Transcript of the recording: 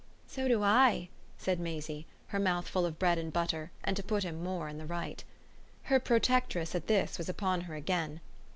"So do I!" said Maisie, her mouth full of bread and butter and to put him the more in the right. Her protectress, at this, was upon her again.